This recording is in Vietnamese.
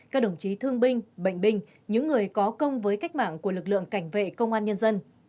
các đồng chí thương binh bệnh binh những người có công với cách mạng của lực lượng cảnh vệ công an nhân dân